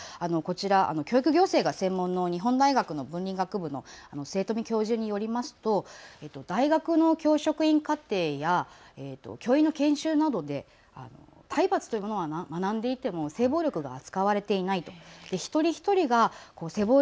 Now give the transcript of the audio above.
こちら教育行政が専門の日本大学の文理学部の末冨教授によりますと大学の教職員課程や教員の研修などで体罰というものは学んでいても性暴力は扱われていないと。